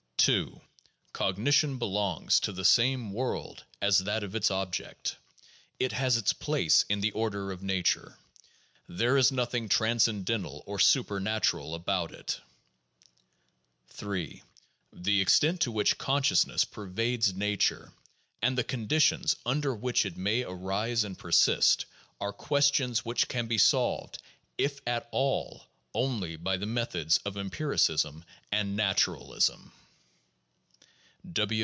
2. Cognition belongs to the same world as that of its objects. It has its place in the order of nature. There is nothing transcendental or supernatural about it. 3. The extent to which consciousness pervades nature, and the conditions under which it may arise and persist, are questions which can be solved, if at all, only by the methods of empiricism and nat uralism.